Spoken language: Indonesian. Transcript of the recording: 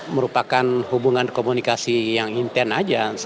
merupakan hubungan komunikasi yang intent aja